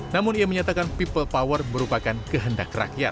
namun ia menyatakan people power merupakan kehendak rakyat